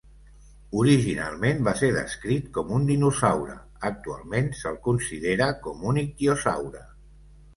Originalment va ser descrit com un dinosaure, actualment se'l considera com un ictiosaure.